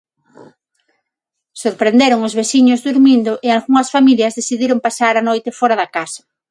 Sorprenderon os veciños durmindo e algunhas familias decidiron pasar a noite fóra da casa.